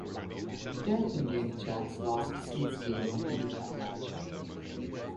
Deek and Danny Jacks lost to Snitsky in a handicap match.